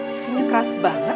tv nya keras banget